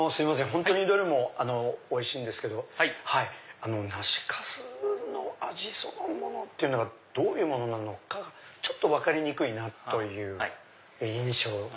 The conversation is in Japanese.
本当にどれもおいしいんですけど梨粕の味そのものっていうのがどういうものなのかがちょっと分かりにくいなという印象が。